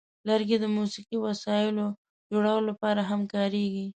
لرګي د موسیقي وسیلو جوړولو لپاره هم کارېږي.